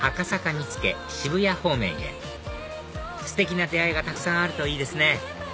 見附渋谷方面へステキな出会いがたくさんあるといいですね